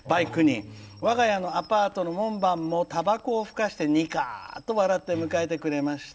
わが家のアパートの門番もタバコをふかしてニカーッと笑って迎えてくれました。